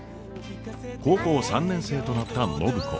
高校３年生となった暢子。